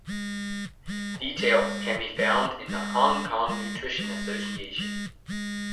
Details can be found in the Hong Kong Nutrition Association.